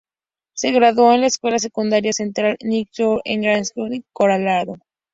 Se graduó en la escuela secundaria Central High School en Grand Junction, Colorado.